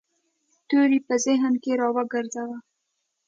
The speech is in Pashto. توری په ذهن کې را وګرځاوه.